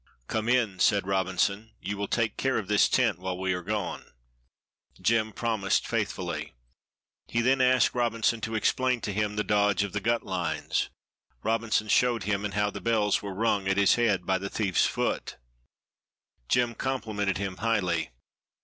"Come in," said Robinson. "You will take care of this tent while we are gone." Jem promised faithfully. He then asked Robinson to explain to him the dodge of the gut lines. Robinson showed him, and how the bells were rung at his head by the thief's foot. Jem complimented him highly.